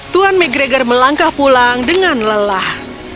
tuan mcgregor melangkah pulang dengan lelah